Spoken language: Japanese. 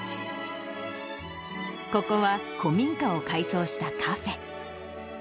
ここは、古民家を改装したカフェ。